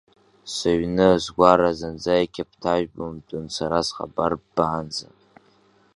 Сыҩны, сгәара зынӡа иқьаԥҭажәбымтәын сара схабар ббаанӡа!